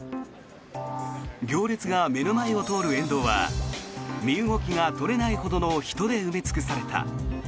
行列が目の前を通る沿道は身動きが取れないほどの人で埋め尽くされた。